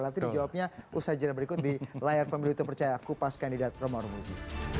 nanti dijawabnya usaha jenayah berikut di layar pemilu itu percaya aku pas kandidat romar romi